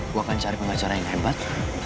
gue akan cari pengacara yang hebat